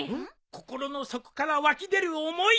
心の底から湧き出る思い